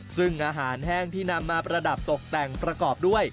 ซึ่งอาหารแห้งที่นำมาประดับตกแต่งประกอบด้วย